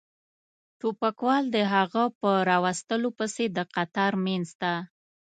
ټوپکوال د هغه په را وستلو پسې د قطار منځ ته.